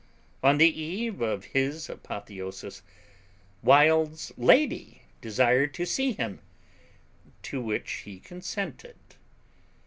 On the eve of his apotheosis, Wild's lady desired to see him, to which he consented.